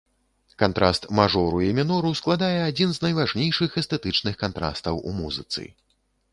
Кантраст мажору і мінору складае адзін з найважнейшых эстэтычных кантрастаў у музыцы.